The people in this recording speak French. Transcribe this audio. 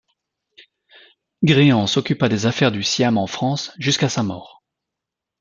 Gréhan s'occupa des affaires du Siam en France jusqu'à sa mort.